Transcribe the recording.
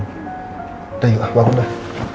udah yuk bangun dah